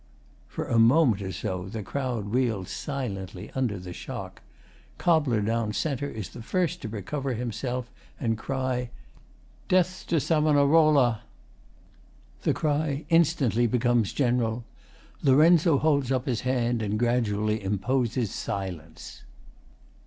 [For a moment or so the crowd reels silently under the shock. Cobbler down c. is the first to recover himself and cry 'Death to Savonarola!' The cry instantly becomes general. LOR. holds up his hand and gradually imposes silence.